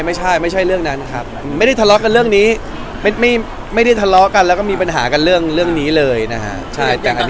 ไม่ใช่ไม่ใช่เรื่องนั้นครับไม่ได้ทะเลาะกันเรื่องนี้ไม่ได้ทะเลาะกันแล้วก็มีปัญหากันเรื่องนี้เลยนะฮะ